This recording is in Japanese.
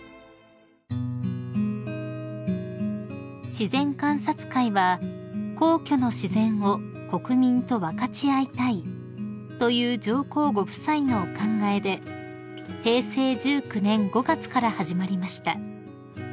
［自然観察会は「皇居の自然を国民と分かち合いたい」という上皇ご夫妻のお考えで平成１９年５月から始まりました］